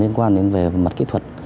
nên quan đến về mặt kỹ thuật